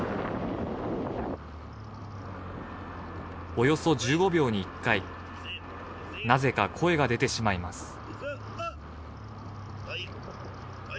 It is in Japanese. およそ１５秒に１回なぜか声が出てしまいますわっあっ！